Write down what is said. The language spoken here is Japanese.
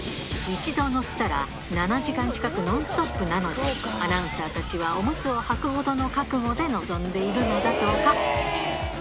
一度乗ったら、７時間近くノンストップなので、アナウンサーたちはおむつをはくほどの覚悟で臨んでいるのだとか。